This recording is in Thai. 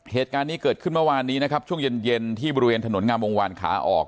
เหตุการณ์นี้เกิดขึ้นเมื่อวานนี้นะครับช่วงเย็นที่บริเวณถนนงามวงวานขาออก